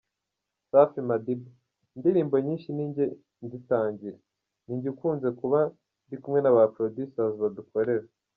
Safi Madiba: Indirimbo nyinshi ninjye nzitangira, ninjye ukunze kuba ndi kumwe na producers badukorera.